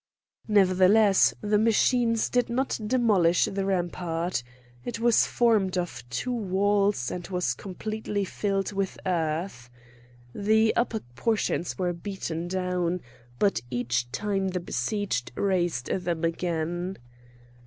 Nevertheless the machines did not demolish the rampart. It was formed of two walls and was completely filled with earth. The upper portions were beaten down, but each time the besieged raised them again.